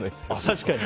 確かに。